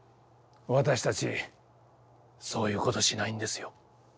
私たちそういうことしないんですよ。